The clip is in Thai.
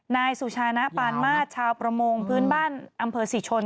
นายสุชานะปานมาสชาวประมงพื้นบ้านอำเภอศรีชน